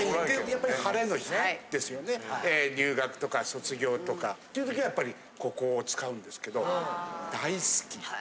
やっぱりハレの日ですよね、入学とか卒業とかというときはやっぱり、ここを使うんですけれども、大好き。